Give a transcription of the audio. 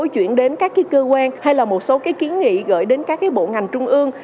chuyển đến các cơ quan hay là một số kiến nghị gửi đến các bộ ngành trung ương